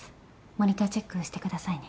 モニターチェックしてくださいね。